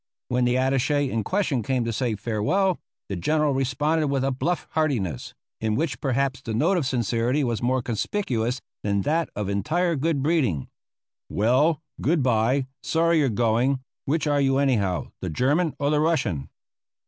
When the attache in question came to say farewell, the General responded with a bluff heartiness, in which perhaps the note of sincerity was more conspicuous than that of entire good breeding: "Well, good by; sorry you're going; which are you anyhow the German or the Russian?"